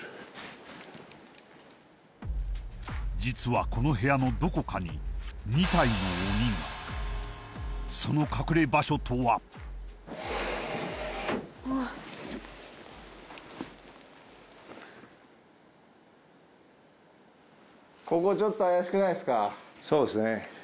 実はこの部屋のどこかに２体の鬼がその隠れ場所とはそうですね